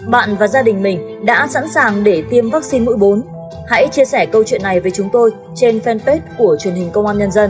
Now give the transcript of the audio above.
bạn và gia đình mình đã sẵn sàng để tiêm vaccine mũi bốn hãy chia sẻ câu chuyện này với chúng tôi trên fanpage của truyền hình công an nhân dân